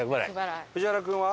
藤原君は？